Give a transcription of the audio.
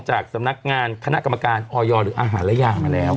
จากสำนักงานคณะกรรมการออยหรืออาหารและยามาแล้ว